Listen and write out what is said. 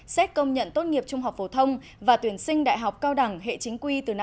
xét công nhận tốt nghiệp trung học phổ thông và tuyển sinh đại học cao đẳng hệ chính quy từ năm hai nghìn hai mươi